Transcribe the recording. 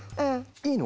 いいの？